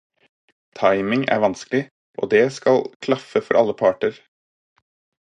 Timing er vanskelig, og det skal klaffe for alle parter.